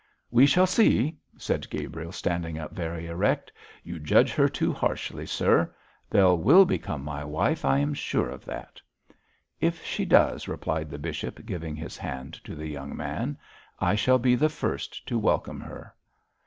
'We shall see,' said Gabriel, standing up very erect; 'you judge her too harshly, sir. Bell will become my wife, I am sure of that.' 'If she does,' replied the bishop, giving his hand to the young man, 'I shall be the first to welcome her.'